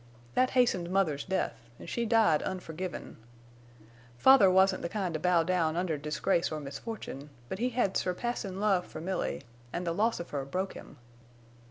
That hastened mother's death, an' she died unforgivin'. Father wasn't the kind to bow down under disgrace or misfortune but he had surpassin' love for Milly, an' the loss of her broke him.